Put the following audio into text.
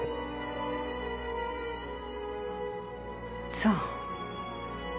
そう。